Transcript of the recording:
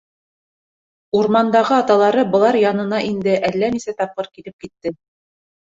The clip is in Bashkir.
Урмандағы аталары былар янына инде әллә нисә тапҡыр килеп китте.